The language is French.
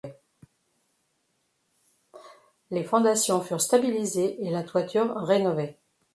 Les fondations furent stabilisées et la toiture rénovée.